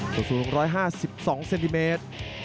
สูตรศูนย์๑๕๒เซนติเมตร